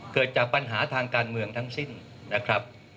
เกิดจากปัญหาทางการเมืองทั้งสิ้นนะครับ